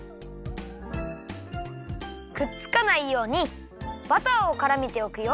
くっつかないようにバターをからめておくよ。